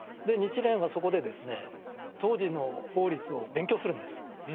で日蓮はそこでですね当時の法律を勉強するんです。